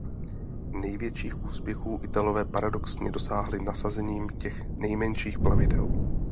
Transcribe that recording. Největších úspěchů Italové paradoxně dosáhli nasazením těch nejmenších plavidel.